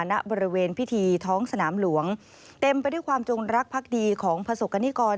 ณบริเวณพิธีท้องสนามหลวงเต็มไปด้วยความจงรักพักดีของประสบกรณิกร